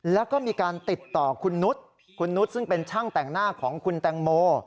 แล้วก็มีการติดต่อคุณนุษย์คุณนุษย์ซึ่งเป็นช่างแต่งหน้าของคุณแตงโม